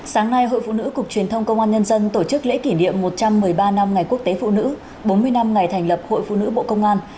sáng nay hội phụ nữ cục truyền thông công an nhân dân tổ chức lễ kỷ niệm một trăm một mươi ba năm ngày quốc tế phụ nữ bốn mươi năm ngày thành lập hội phụ nữ bộ công an